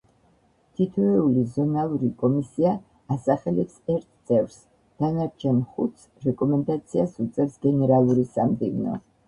თითოეული ზონალური კომისია ასახელებს ერთ წევრს, დანარჩენ ხუთს რეკომენდაციას უწევს გენერალური სამდივნო.